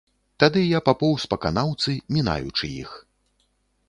Тады я папоўз па канаўцы, мінаючы іх.